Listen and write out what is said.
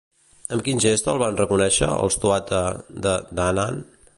Amb quin gest el van reconèixer els Tuatha Dé Danaann?